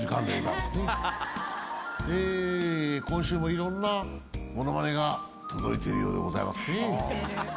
今週もいろんなモノマネが届いているようでございますね。